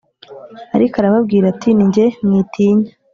Ariko arababwira ati Ni jye mwitinya